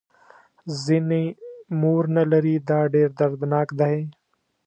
ځینې مور نه لري دا ډېر دردناک دی.